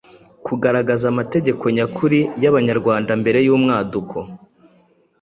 kugaragaza amateka nyakuri y’Abanyarwanda mbere y’umwaduko